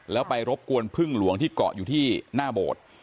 แล้วไปรบกวนพึ่งหลวงที่เกาะอยู่ที่หน้าโบสถ์